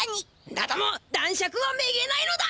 だども男爵はめげないのだ！